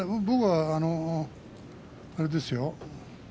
僕は、あれですよ